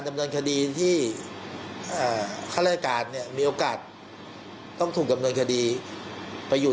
ดำเนินคดีที่ข้าราชการเนี่ยมีโอกาสต้องถูกดำเนินคดีไปอยู่